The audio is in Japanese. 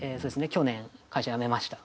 去年会社辞めました。